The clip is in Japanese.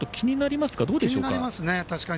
気になりますね。